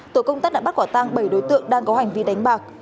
tổ công tác đã bắt quả tang bảy đối tượng đang có hành vi đánh bạc